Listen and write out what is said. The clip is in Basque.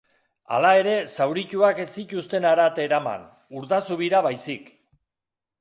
Hala ere, zaurituak ez zituzten harat eraman, Urdazubira baizik.